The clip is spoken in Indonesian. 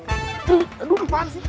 gak ama pak mas